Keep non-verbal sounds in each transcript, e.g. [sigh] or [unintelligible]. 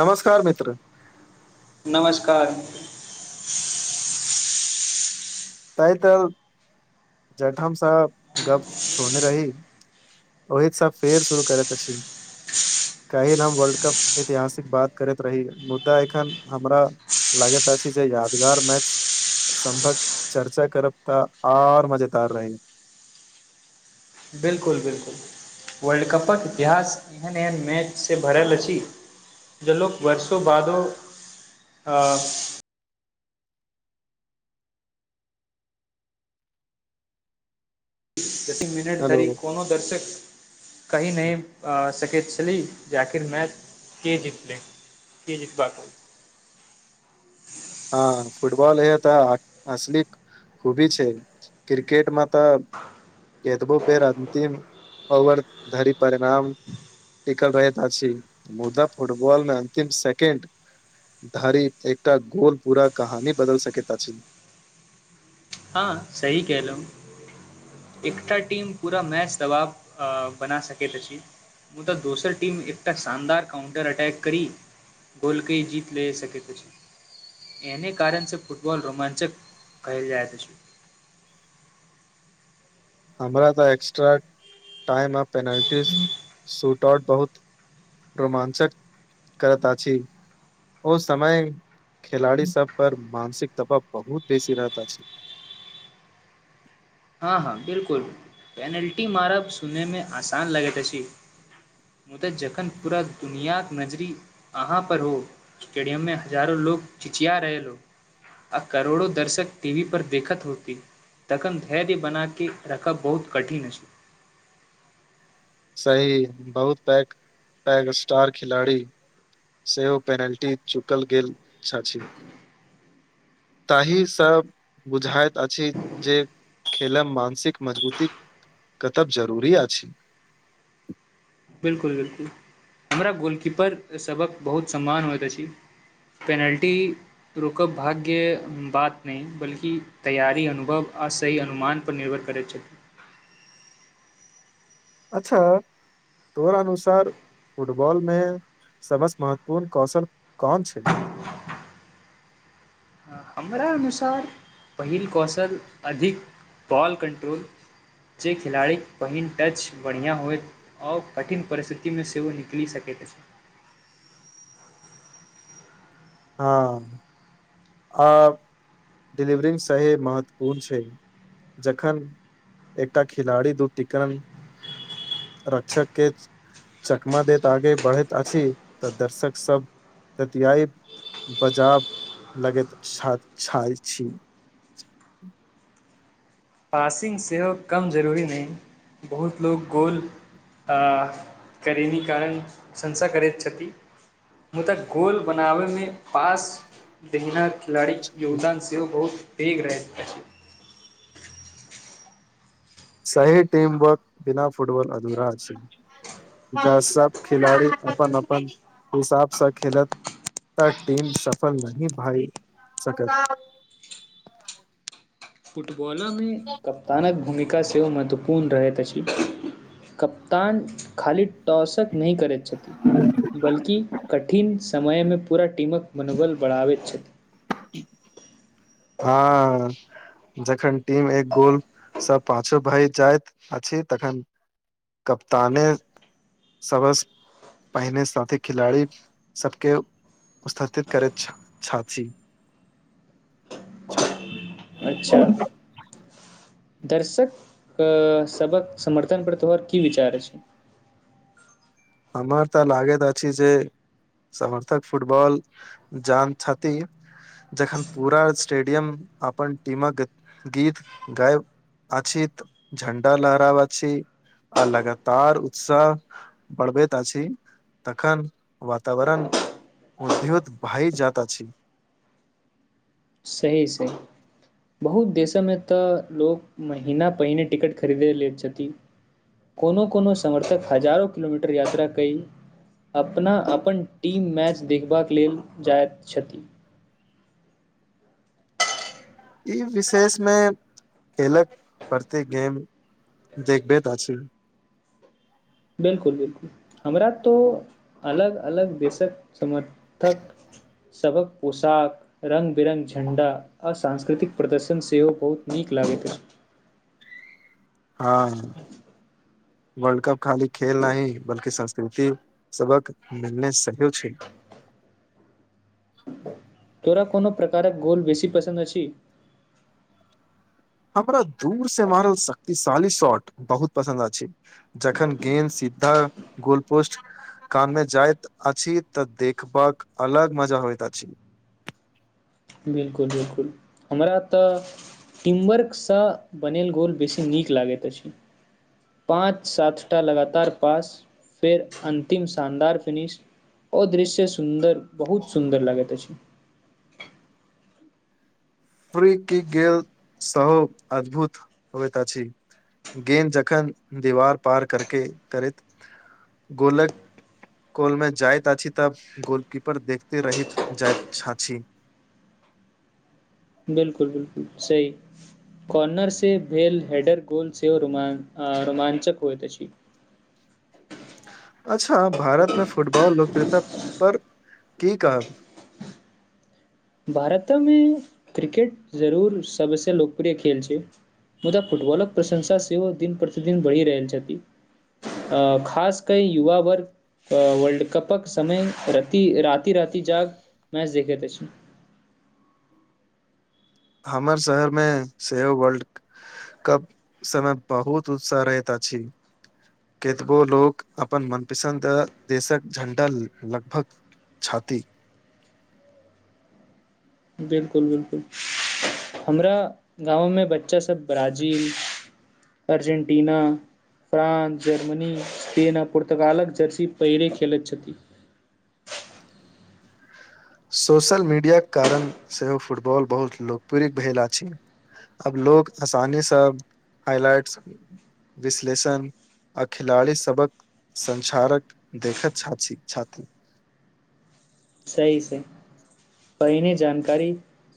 नमस्कार मित्र नमस्कार ताहि तऽ जठम साहेब गप छोड़ने रही ओहि स फेर शुरू करैत अछि काल्हि हम वर्ल्ड कप ऐतिहासिक बात करैत रही मुद्दा एखन हमरा लागैत अछि जे यादगार मैच संभव चर्चा करब त और मजेदार बिल्कुल बिल्कुल वर्ल्ड कपक इतिहास एहन एहन मैचसँ भरल अछि जे लोक वर्षो बादो अ दसी मिनट हेलो धरि कोनो दर्शक कहि नहि सकैत छली जे आखिर मैच के जीतले के जीतबाक हँ फुटबॉल एहे तऽ असली खुबी छै क्रिकेटमे तऽ केतबो बेर अन्तिम ओवर धरि परिणाम टिकल रहैत अछि मुदा फुटबॉल मे अंतिम सेकेंड धरि एकटा गोल पूरा कहानी बदल सकैत अछि हँ सही कहलहुँ एकटा टीम पूरा मैच दबाब बना सकैत अछि मुदा दोसर टीम एकटा शानदार काउन्टर अटैक करी गोल कइ जीत ले सकैत अछि एहने कारण से फुटबॉल रोमांचक कहेल जायत हमरा तऽ एक्स्ट्रा टाइम म पेनाल्टी सुटआउट बहुत रोमांचक करैत अछि ओ समय खेलाड़ी सब पर मानसिक दबाव बहुत बेसी रहैत अछि हँ हँ बिलकुल पेनाल्टी मारब सुनैमे आसान लगैत अछि मुदा जखन पूरा दुनियाक नजरी अहाँ पर हो स्टेडियम मे हजारो लोग चिचिया रहत आ करोड़ो दर्शक टीवी पर देखत होती तखन धैर्य बनाके रखब बहुत कठिन सही बहुत पैघ पैघ स्टार खिलाड़ी सेहो पेनाल्टी चुकल गेल छाह छी ताहि स बुझाइत अछि जे खेलम मानसिक मजबूत तब जरूरी अछि [inaudible] बिल्कुल बिल्कुल हमरा गोलकीपर सभक बहुत सम्मान होइत अछि पेनाल्टी रुकब भाग्य बात नहि बल्कि तैयारी अनुभव आ सही अनुमान पर निर्भर करैत छथि अच्छा तोर अनुसार फुटबॉल मे सबस महत्वपूर्ण कौशल कौन करा अनुसार पहिल कौशल अधिक बॉल कन्ट्रोल [unintelligible] जे खेलाड़ीके पहिन टच बढ़िआँ होए ओ कठिन परिस्थिति मे सेहो निकलि सकैत अछि हँ आ डिलीवरी सहि महत्वपूर्ण छै जखन एकटा खिलाड़ी दू ती करण रक्षक के चकमा देैत आगे बढ़ैत अछि तऽ दर्शक सब बजाब लगैत छ छी पासिंग सेहो कम जरूरी नहि बहुत लोग गोल करनी कारण संसा करै छथि मुदा गोल बनाबैमे पास दहिन खेलाड़ीके योगदान सेहो बहुत पेघ रहैत सही टीम वर्क बिना फुटबॉल अधरा छै ज सब खेलाड़ी अपन अपन हिसाबसँ खेल तऽ टीम सफल नहि भई सकै फुटबॉलो में कप्तानक भूमिका सेहो महत्वपूर्ण रहैत अछि कप्तान खी टाॅसक नहि करैत छथि बल्कि कठिन समयमे पूरा टीमक मनोबल बढ़ाबैत छथि टा हँ जखन टीम एक गोलसँ पाछु भऽ जाइत अछि तखन कप्ताने सबस पहिने साथी खिलाड़ी सभके उत्साहित करैत छथिन छथि अच्छा दर्शक सभक समर्थन पर तोहर की विचार छनि हमर तऽ लागैत अछि जे समर्थक फुटबॉल जान छथि जखन पूरा स्टेडियम अपन टीमक गीत गाबि अछैत झण्डा लहराव छी आ लगातार उत्साह बढ़बैत आ छी तखन वातावरण उद्धहुत भाई जाता छी सही सही बहुत देशमे तऽ लोक महिना पहिने टिकट खरीदै लेत छथिन कोनो कोनो समर्थक हजारो किलोमीटर यात्रा क अपना अपन टीम मैच देखबाक लेल जाइत छथि ई विशेष मे खेलक प्रति गेम देखबे तऽ छी बिलकुल बिलकुल हमरा तँ अलग अलग देशक समर्थक सभक पोशाक रङ्ग बिरङ्ग झण्डा आ सांस्कृतिक प्रदर्शन सेहो बहुत नीक लागैत अछि हँ वर्ल्ड कप खाली खेले नहि बल्कि संस्कृति सभक मिलनो सहौ छै न तोरा कोनो प्रकारक गोल बेसी पसन्द अछि हमरा दूर सँ मारल शक्तिशाली शॉट बहुत पसन्द अछि जखन गेंद सिधा गोल पोस्ट कान मे जाइतअछि तऽ देखबाक अलग मजा होइत अछि बिलकुल बिलकुल हमरा तऽ टीमवर्क सँ बनल गोल बेसी नीक लागैत अछि पाँच सातटा लगातार पास फेर अन्तिम शानदार फीनिश ओ दृश्य सुन्दर बहुत सुन्दर लागैत अछि प्री की गेल सँ अद्भुत होइत अछि गेंद जखन दीवार पार करिके करैत गोलक गोल मे जाइत अछि तँ गोलकीपर देखते रहै जाइत छथि बिलकुल बिलकुल सही कॉर्नर से भेल हैडर गोल सेहो रोमांचक होइत छथि अच्छा भारत मे फुटबॉल लोकप्रियता पर की कहब भारत मे क्रिकेट जरूर सबसँ लोकप्रिय खेल छै मुदा फुटबॉलक प्रशंसा सेहो दिन प्रतिदिन बढ़ि रहल छनि अ खास कऽ युवा वर्ग वर्ल्ड कपक समय राति राति जागि मैच देखेैत अछि हमर शहर मे सेहो वर्ल्ड कप समय बहुत उत्साह रहैत अछि केतबो लोक अपन मनपसन्द देशक झंडा लगभग छथि बिलकुल बिलकुल हमरा गाँव मे बच्चा सभ Brazil Argentina France Germany Spain आ ओर पुर्तगालक जर्सी पहिले खेलैत छथिन सोशल मीडियाक कारण सेहो फुटबॉल बहुत लोकप्रिय भेल अछि अब लोग आसानी सँ हाइलाइट विश्लेषण आ खिलाड़ी सबक संसारक देखैत छ छाती सही छै पहिने जानकारी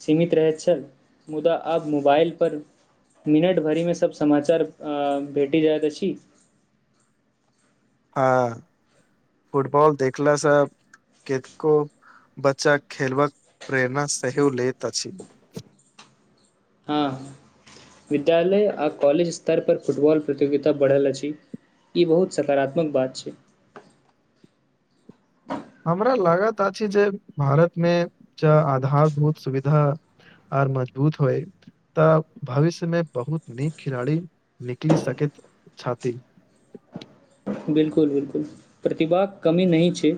सीमित रहैत छल मुदा आब मोबाइल पर मिनट भरि मे सब समाचार आ भेट जाइत अछि हँ फुटबॉल देखला सँ केतेको बच्चा खेलबाक प्रेरणा सेहो लैत अछि हँ विद्यालय आ कॉलेज स्तर पर फुटबॉल प्रतियोगिता बढ़ल अछि ई बहुत सकारात्मक बात छै हमरा लागत अछि जे भारत मे ज आधारभूत सुविधा आर मजबूत होय तऽ भविष्य मे बहुत नीक खिलाड़ी निकलि सकैत छथिन बिलकुल बिलकुल प्रतिभा के कमी नहि छै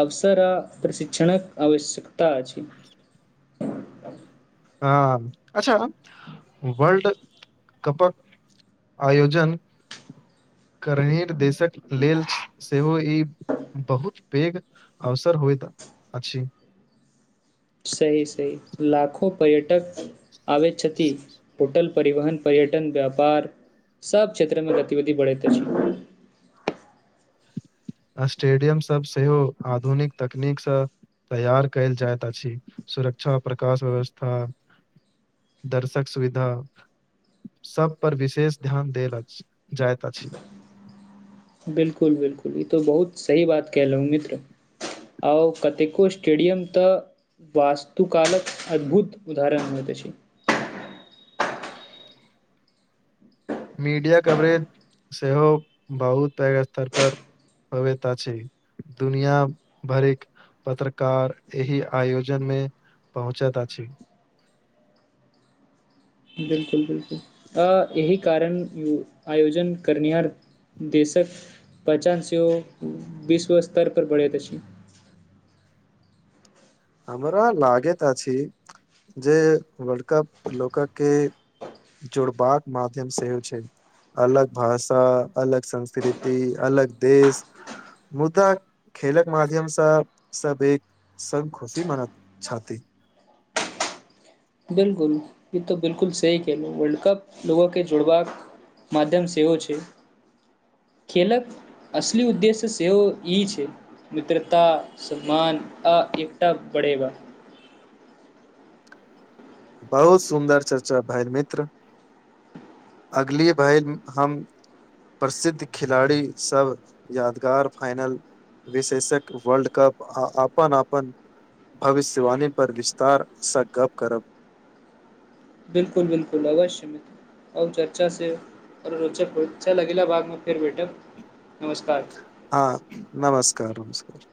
अवसर आ प्रशिक्षणक आवश्यकता अछि आ अच्छा वर्ल्ड कपक आयोजन करने देशक लेल सेहो ई बहुत पैघ अवसर होइत अछि सहि सहि लाखो पर्यटक आ छथिति होटल परिवहन पर्यटन व्यापार सब क्षेत्र मे गतिविधि बढ़ैत अछि स्टेडियम सब सेहो आधुनिक तकनीक सँ तैयार कयल जाइत अछि सुरक्षा प्रकाश व्यवस्था दर्शक सुविधा सब पर विशेष ध्यान देल जाइत अछि बिलकुल बिलकुल ई तऽ बहुत सही बात कलहुँ मित्र आओ कतेको स्टेडियम तऽ वास्तुकालक अद्भुत उदाहरण होइत अछि मीडिया कवरेज सेहो बहुत पैघ स्तर पर होवेत अछि दुनिया भरैक पत्रकार एहि आयोजन मे पहुँचत अछि बिलकुल बिलकुल अ यहि कारण य आयोजन करनिहार देशक पचा से विश्व स्तर पर पढ़ैत अछि हमरा लागैत अछि जे वर्ल्ड कप लोक के जोड़बाक माध्यम सेहोय छै अलग भाषा अलग संस्कृति अलग देश मुद्दा खेलक माध्यम सँ सब एक खुशी मानैत छति बिलकुल ई त बिलकुल सही खेल ह वर्ल्ड कप लोगो के जुड़बाक मध्यम सेहो छै खेलक असली उद्देश्य सेहो ई छै मित्रता सम्मान आ एकटा बढ़ेबा बहुत सुन्दर चर्चा भाय मित्र अगली भल हम प्रसिद्ध खिलाड़ी सब यादगार फाइनल विशेषक वर्ल्ड कप अपन अपन भविष्यवाणी पर विस्तारसँ गप करब बिलकुल बिलकुल अवश्य छै चर्चा सेर लगेला बाद में फेर बैठब नमस्कार हँ नमस्कार नमस्कार।